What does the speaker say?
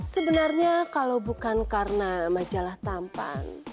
sebenarnya kalau bukan karena majalah tampan